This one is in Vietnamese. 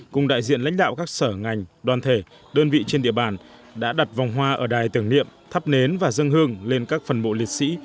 cùng đại diện lãnh đạo các sở ngành đoàn thể đơn vị trên địa bàn đã đặt vòng hoa ở đài tưởng niệm thắp nến và dân hương lên các phần bộ liệt sĩ